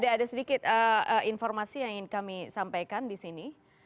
ada sedikit informasi yang ingin kami sampaikan di sini